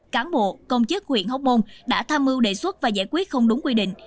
cán bộ công chức huyện hóc môn đã tham mưu đề xuất và giải quyết không đúng quy định